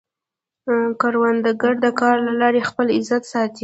کروندګر د کار له لارې خپل عزت ساتي